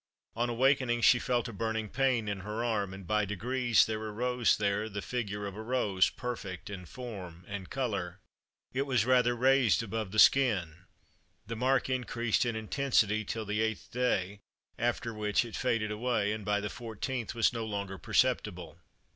On awaking she felt a burning pain in her arm, and by degrees there arose there the figure of a rose perfect in form and color. It was rather raised above the skin. The mark increased in intensity till the eighth day, after which it faded away, and by the fourteenth was no longer perceptible.